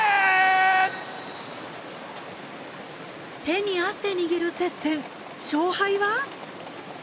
手に汗握る接戦勝敗は？